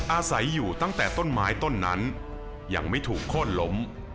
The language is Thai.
อาศัยอยู่ตั้งแต่ต้นไม้ต้นนั้นยังไม่ถูกโค้นล้ม